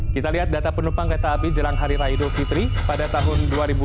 kita lihat data penumpang kereta api jelang hari raya idul fitri pada tahun dua ribu dua puluh